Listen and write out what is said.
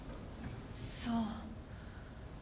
そう。